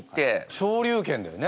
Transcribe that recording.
昇龍拳だよね？